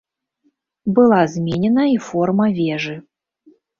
Была зменена і форма вежы.